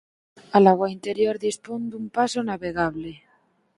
A lagoa interior dispón dun paso navegable.